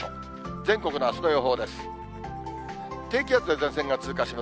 全国のあすの予報です。